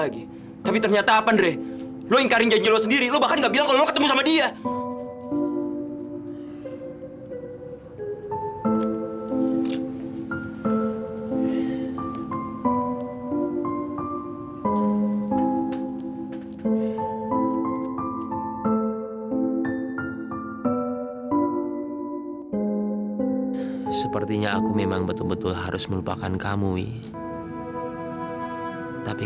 gimana caranya aku bisa melupakan kamu wi